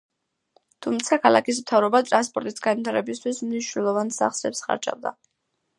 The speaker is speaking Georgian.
თუმცა ქალაქის მთავრობა ტრანსპორტის განვითარებისთვის მნიშვნელოვან სახსრებს ხარჯავდა.